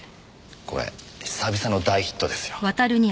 これ久々の大ヒットですよ。